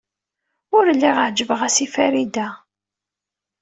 Ur lliɣ ɛejbeɣ-as i Farida.